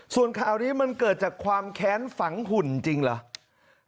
ส่วนข่าวนี้มันเกิดจากความแค้นฝังหุ่นจริงเหรอ